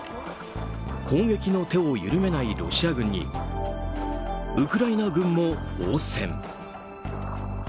攻撃の手を緩めないロシア軍にウクライナ軍も応戦。